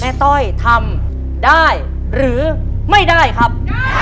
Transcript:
ต้อยทำได้หรือไม่ได้ครับ